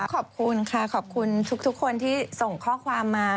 ขอบคุณค่ะขอบคุณทุกคนที่ส่งข้อความมา